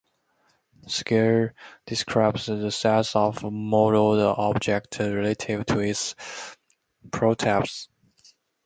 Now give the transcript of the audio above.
"Scale" describes the size of a modeled object relative to its prototype.